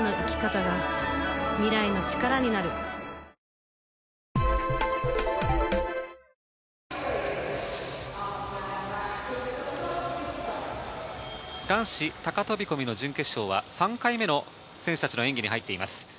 この選手、予選とここ、男子高飛込の準決勝は３回目の選手たちの演技に入っています。